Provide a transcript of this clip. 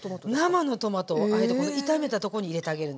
生のトマトをあえてこの炒めた所に入れてあげるんです。